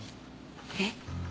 えっ？